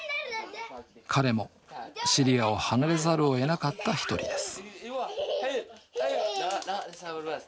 彼もシリアを離れざるをえなかった一人です